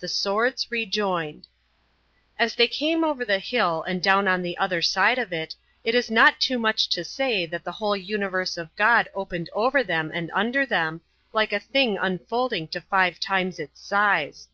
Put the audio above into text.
THE SWORDS REJOINED As they came over the hill and down on the other side of it, it is not too much to say that the whole universe of God opened over them and under them, like a thing unfolding to five times its size.